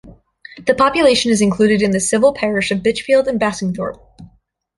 The population is included in the civil parish of Bitchfield and Bassingthorpe.